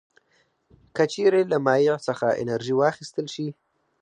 که چیرې له مایع څخه انرژي واخیستل شي.